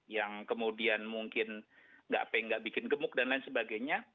yang kemudian mungkin nggak bikin gemuk dan lain sebagainya